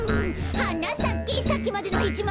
「はなさけさっきまでのヘチマ」